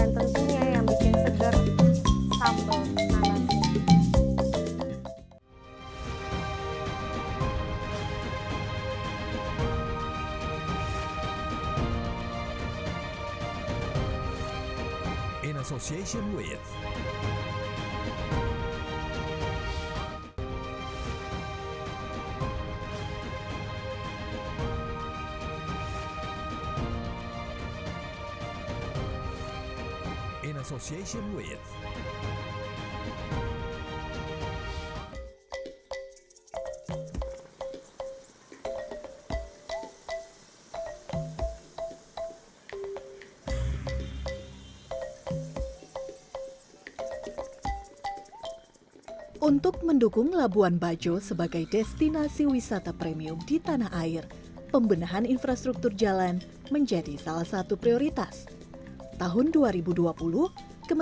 dan tentunya yang bikin seger sapu malam